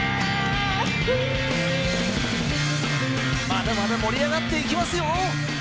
まだまだ盛り上がっていきますよ。